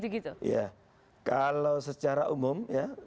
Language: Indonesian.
kalau secara umum